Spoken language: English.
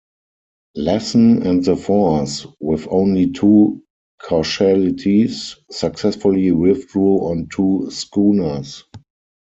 Lassen and the force, with only two casualties, successfully withdrew on two schooners.